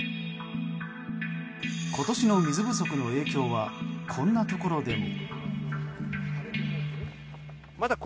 今年の水不足の影響はこんなところでも。